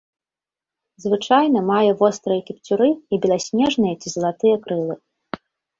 Звычайна мае вострыя кіпцюры і беласнежныя ці залатыя крылы.